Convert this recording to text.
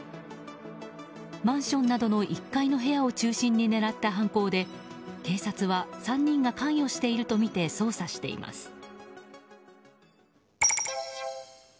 マンションなどの１階の部屋を中心に狙った犯行で警察は３人が関与しているとみて捜査しています。